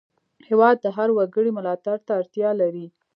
هېواد د هر وګړي ملاتړ ته اړتیا لري.